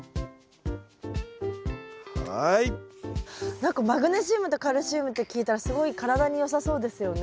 何かマグネシウムとカルシウムって聞いたらすごい体によさそうですよね。